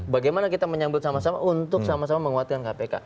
bagaimana kita menyambut sama sama untuk sama sama menguatkan kpk